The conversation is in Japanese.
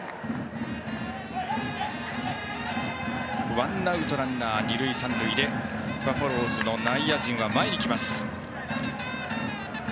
ワンアウトランナー、二塁三塁でバファローズの内野陣が前に来ます。